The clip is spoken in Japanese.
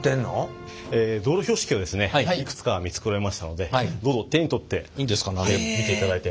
道路標識をいくつか見繕いましたのでどうぞ手に取って見ていただいて。